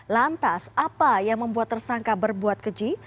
lantas apa yang membuat tersangka berbuat keji